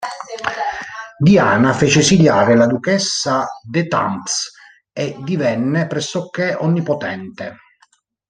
Diana fece esiliare la duchessa d'Étampes e divenne pressoché onnipotente.